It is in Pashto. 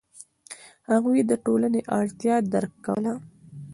هغوی د ټولنې اړتیا درک کوله.